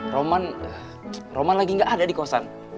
roman roman lagi nggak ada di kosan